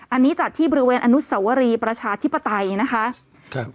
อันนี้จัดที่บริเวณอนุสวรีประชาธิปไตยนะคะครับ